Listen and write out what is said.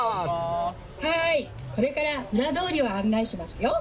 これから裏通りを案内しますよ。